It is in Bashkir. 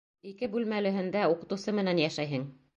Ике бүлмәлеһендә уҡытыусы менән йәшәйһең.